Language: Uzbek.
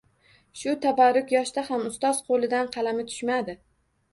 Shu tabarruk yoshda ham ustoz qo`lidan qalami tushmadi